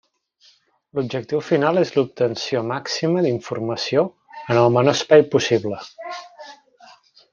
L'objectiu final és l'obtenció màxima d'informació en el menor espai possible.